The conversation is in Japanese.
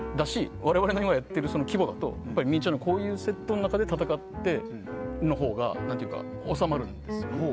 我々の今やっている規模だとミニチュアのこういうセットの中戦ってというほうが収まるんですよ。